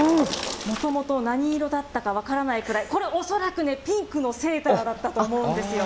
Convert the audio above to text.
もともと何色だったか分からないくらい、これ、恐らくね、ピンクのセーターだったと思うんですよ。